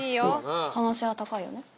可能性は高いよね。